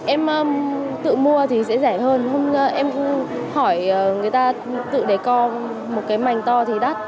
em tự mua thì sẽ rẻ hơn không ra em cũng hỏi người ta tự để co một cái mảnh to thì đắt